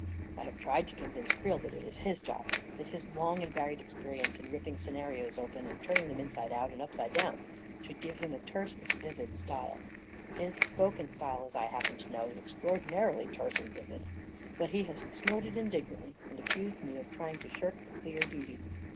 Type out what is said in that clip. I have tried to convince Creel that it is his job — that his long and varied experience in k ripping scenarios open and turning them inside out. and up side down should give him a terse and vivid style. His spoken style, as I happen to know, is extraor dinarily terse and vivid! But he has snorted in dignantly, and accused me of trying to shirk a clear duty.